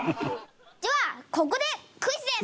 ではここでクイズです。